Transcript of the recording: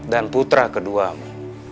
dan putra keduamu